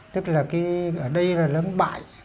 tức là ở đây là lớn bãi